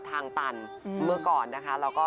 ทางตันเมื่อก่อนนะคะเราก็